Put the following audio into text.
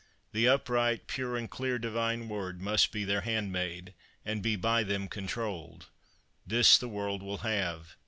The upright, pure, and clear Divine Word must be their handmaid, and be by them controlled; this the world will have.